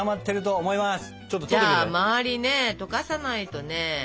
周りね溶かさないとね